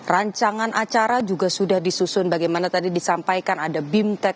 rancangan acara juga sudah disusun bagaimana tadi disampaikan ada bimtek